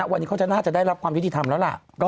วันนี้เขาจะน่าจะได้รับความยุติธรรมแล้วล่ะ